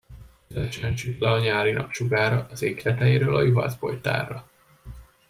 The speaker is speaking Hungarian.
Tüzesen süt le a nyárni nap sugára az ég tetejéről a juhászbojtárra.